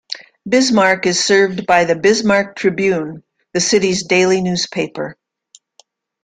Bismarck is served by the "Bismarck Tribune," the city's daily newspaper.